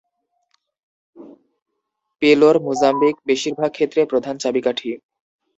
পেলোর Mozambique, বেশিরভাগ ক্ষেত্রে, প্রধান চাবিকাঠি।